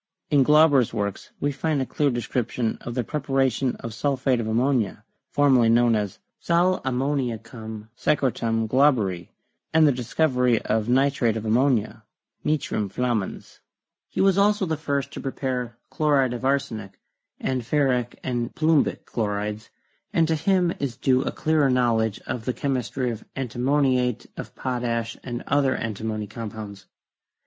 In Glauber's works we find a clear description of the preparation of sulphate of ammonia, formerly known as "sal ammoniacum secre tum Glauberi," and the discovery of nitrate of ammonia, 'nitrum flammans.' He was also the first to prepare chlo ride of arsenic, and ferric and plumbic chlorides, and to him is due a clearer knowledge of the chemistry of anti moniate of potash and other antimony compounds.